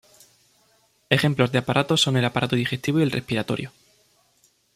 Ejemplos de aparatos son el aparato digestivo y el respiratorio.